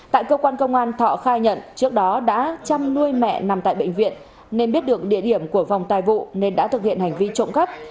tại cơ quan công an thọ khai nhận trước đó đã chăm nuôi mẹ nằm tại bệnh viện nên biết được địa điểm của vòng tài vụ nên đã thực hiện hành vi trộm cắp